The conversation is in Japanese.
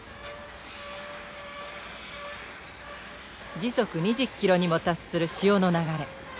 時速２０ｋｍにも達する潮の流れ。